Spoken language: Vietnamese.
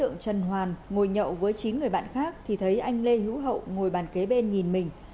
ngồi nhậu với chín người bạn khác thì thấy anh lê hữu hậu ngồi bàn kế bên nhìn mình